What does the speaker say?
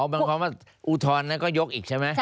อ๋อเป็นความว่าอุทธรรมแล้วก็ยกอีกใช่ไหม